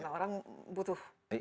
karena orang butuh makanan